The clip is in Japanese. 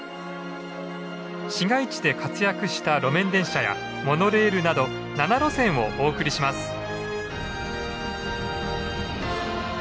市街地で活躍した路面電車やモノレールなど７路線をお送りします。